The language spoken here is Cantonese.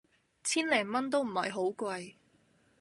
千零蚊都唔係好貴